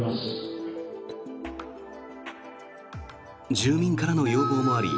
住民からの要望もあり